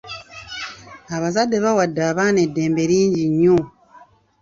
Abazadde bawadde abaana eddembe lingi nnyo.